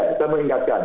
saya mau ingatkan